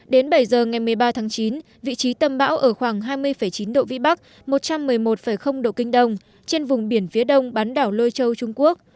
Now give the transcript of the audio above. đến bảy giờ ngày một mươi ba tháng chín vị trí tâm bão ở khoảng hai mươi chín độ vĩ bắc một trăm một mươi một độ kinh đông trên vùng biển phía đông bán đảo lôi châu trung quốc